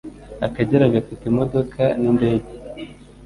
akagera gafite imodoka n' indege